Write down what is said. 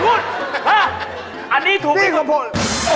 อื้สะนี่มันก็พอเลยล๋อ